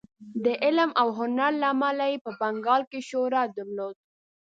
د علم او هنر له امله یې په بنګال کې شهرت درلود.